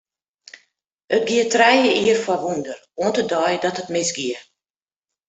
It gie trije jier foar wûnder, oant de dei dat it misgie.